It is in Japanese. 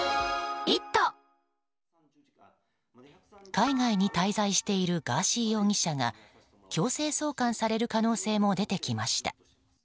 海外に滞在しているガーシー容疑者が強制送還される可能性も出てきました。